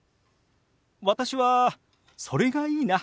私はそれがいいな。